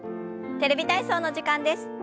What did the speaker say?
「テレビ体操」の時間です。